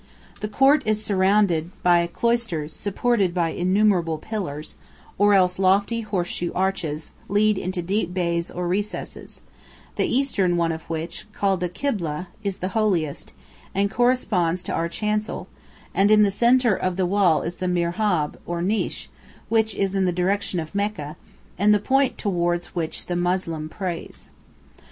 The court is surrounded by cloisters supported by innumerable pillars, or else lofty horseshoe arches lead into deep bays or recesses, the eastern one of which, called the "kibleh," is the holiest, and corresponds to our chancel, and in the centre of the wall is the "mirhab," or niche, which is in the direction of Mecca, and the point towards which the Moslem prays.